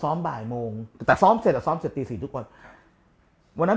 ซ้อมบ่ายโมงแต่ซ้อมเสร็จและซ้อมเสร็จตี๔ทุกวันวันนั้น